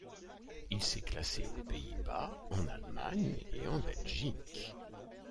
Il s'est classé aux Pays-Bas, en Allemagne et en Belgique.